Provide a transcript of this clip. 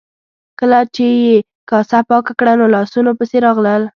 کله چې یې کاسه پاکه کړه نو لاسونو پسې راغلل.